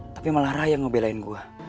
tapi malah raya ngebelain gue